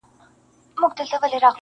• چي په تیاره کي عدالت غواړي -